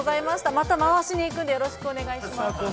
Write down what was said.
また回しに行くんでよろしくお願いします。